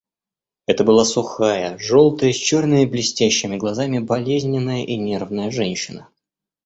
Это была сухая, желтая, с черными блестящими глазами, болезненная и нервная женщина.